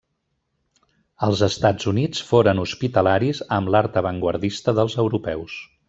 Els Estats Units foren hospitalaris amb l'art avantguardista dels europeus.